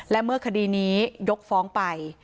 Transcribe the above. และเมื่อคดีนี้ยกฟ้องไป